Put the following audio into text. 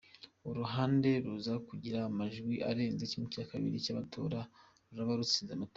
Uruhande ruza kugira amajwi arenze ½ cy’ abatora ruraba rutsinze amatora.